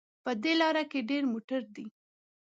په دې لاره کې ډېر موټر دي